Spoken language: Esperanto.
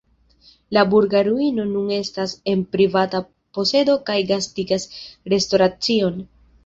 La burga ruino nun estas en privata posedo kaj gastigas restoracion.